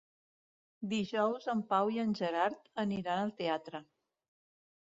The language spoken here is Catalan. Dijous en Pau i en Gerard aniran al teatre.